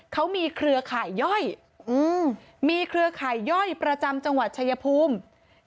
เขามีเครือข่ายย่อยมีเครือข่ายย่อยประจำจังหวัดชายภูมิ